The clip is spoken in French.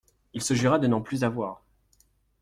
Il se jura de n'en plus avoir.